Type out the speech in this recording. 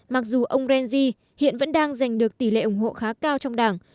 mặc dù ông rengji hiện vẫn đang giành được tỷ lệ ủng hộ khá cao trong đảng